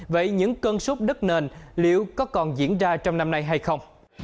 vậy những cơn sốt đất nền liệu có còn diễn ra trong năm nay hay không